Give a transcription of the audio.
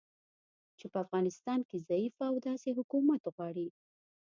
چې په افغانستان کې ضعیفه او داسې حکومت غواړي